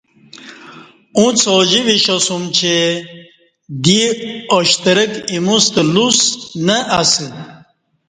اُݩڅ اوجی وشاسوم چہ دی اوشترک ایموستہ لُوس نہ اسہ